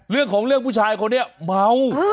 เรื่องของเรื่องผู้ชายคนนี้เมา